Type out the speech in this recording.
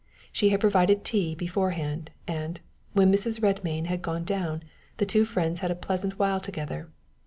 She had provided tea beforehand, and, when Mrs. Redmain had gone down, the two friends had a pleasant while together.